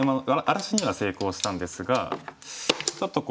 荒らしには成功したんですがちょっと